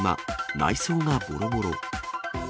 内装がぼろぼろ。